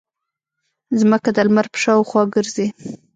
ځمکه د لمر په شاوخوا ګرځي.